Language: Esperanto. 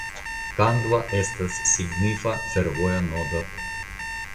Kandva estas signifa fervoja nodo.